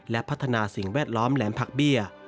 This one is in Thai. และพัฒนาสิ่งแวดล้อมแหลมผักเบี้ย